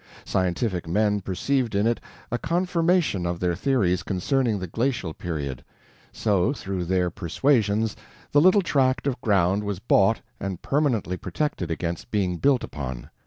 Scientific men perceived in it a confirmation of their theories concerning the glacial period; so through their persuasions the little tract of ground was bought and permanently protected against being built upon.